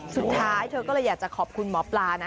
สุดท้ายเธอก็เลยอยากจะขอบคุณหมอปลานะ